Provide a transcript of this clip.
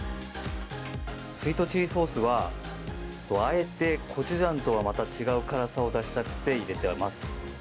スイートチリソースは、あえてコチュジャンとはまた違う辛さを出したくて入れてます。